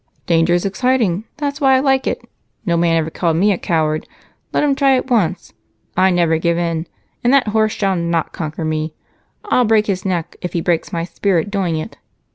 "Danger is exciting that's why I like it. No man ever called me a coward let him try it once. I never give in and that horse shall not conquer me. I'll break his neck, if he breaks my spirit doing it.